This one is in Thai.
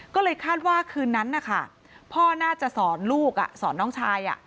ก็เลยคาดว่าคืนนั้นนะคะพ่อน่าจะสอนลูกสอนน้องชาย